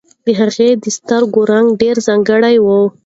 د هغې د سترګو رنګ ډېر ځانګړی و.